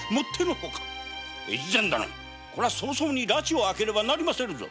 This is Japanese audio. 越前殿これは早々に埒を明ければなりませぬぞ。